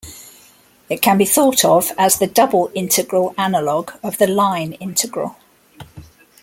It can be thought of as the double integral analog of the line integral.